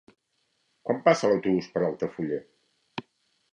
Quan passa l'autobús per Altafulla?